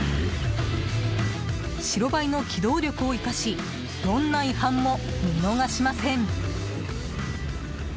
白バイの機動力を生かしどんな違反も見逃しません。